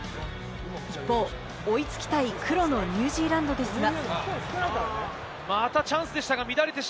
一方、追いつきたい黒のニュージーランドですが。